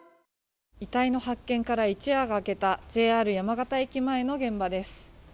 遺体の発見から一夜が明けた、ＪＲ山形駅前の現場です。